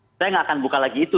saya nggak akan buka lagi itu